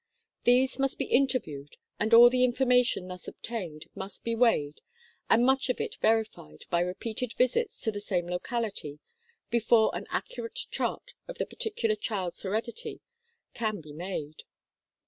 These must be interviewed and all the information thus obtained must be weighed and much of it verified by repeated visits to the same locality before an accurate chart of the particular child's heredity can be made.